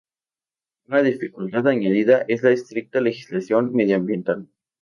Una dificultad añadida es la estricta legislación medioambiental.